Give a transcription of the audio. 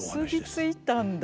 結び付いたんだ。